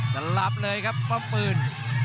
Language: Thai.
สลับเลยครับป้อมปืน